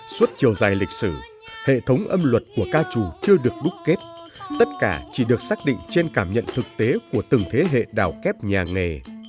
suốt chiều dài lịch sử hệ thống âm luật của ca trù chưa được đúc kết tất cả chỉ được xác định trên cảm nhận thực tế của từng thế hệ đào kép nhà nghề